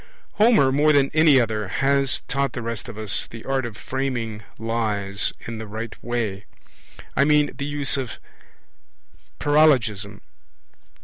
Homer more than any other has taught the rest of us the art of framing lies in the right way. I mean the use of paralogism.